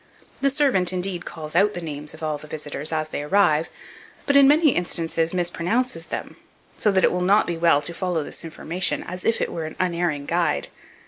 The servant, indeed, calls out the names of all the visitors as they arrive, but, in many instances, mispronounces them; so that it will not be well to follow this information, as if it were an unerring guide.